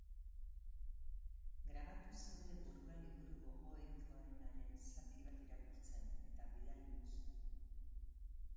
Grabatu zeure burua liburu gogokoenaren zati bat irakurtzen, eta bidaliguzu.